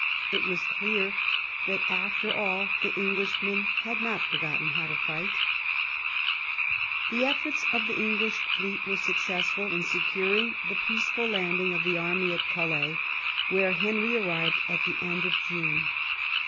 It was clear that after all the Englishmen had not forgotten how to fight. II ^ THE FRENCH ALLIANCE 25 The efforts of the EngKsh fleet were successful in securing the peaceful landing of the army at Calais, where Henry arrived at the end of June.